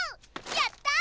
やった！